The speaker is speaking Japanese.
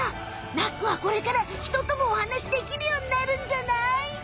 ナックはこれからひとともおはなしできるようになるんじゃない？